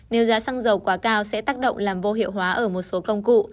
nếu giá xăng dầu quá cao sẽ tác động làm vô hiệu hóa ở một số công cụ